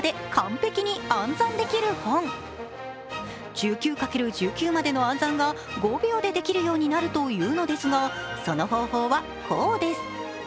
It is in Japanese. １９×１９までの暗算が５秒でできるようになるというのですがその方法は、こうです。